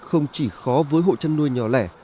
không chỉ khó với hộ chăn nuôi nhỏ lẻ